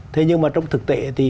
thế nhưng mà trong thực tế thì